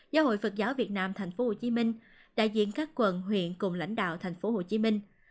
giáo hội phật giáo việt nam thành phố hồ chí minh đại diện các quần huyện cùng lãnh đạo thành phố hồ chí minh